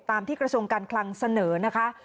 ที่กระทรวงการคลังเสนอนะคะ